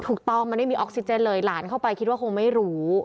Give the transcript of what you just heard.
ถูกต้องมันไม่มีออกซิเจนเลยหลานเข้าไปคิดว่าคงไม่รู้